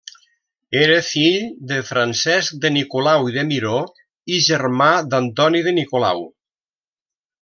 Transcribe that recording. Era fill de Francesc de Nicolau i de Miró i germà d'Antoni de Nicolau.